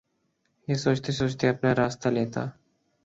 یہ سوچتے سوچتے اپنا راستہ لیتا